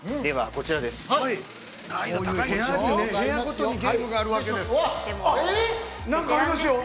◆こういう部屋ごとにゲームがあるわけです。